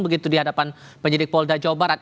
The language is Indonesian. begitu di hadapan penyidik polda jawa barat